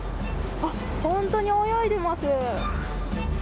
本当に泳いでます。